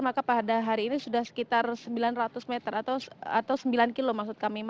maka pada hari ini sudah sekitar sembilan ratus meter atau sembilan kilo maksud kami